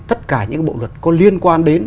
tất cả những bộ luật có liên quan đến